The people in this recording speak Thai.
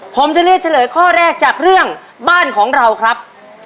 ผมจะเลือกเฉลยข้อแรกจากเรื่องบ้านของเราครับ